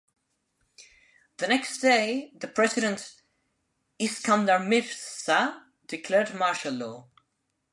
The next day, the president Iskandar Mirza declared martial law.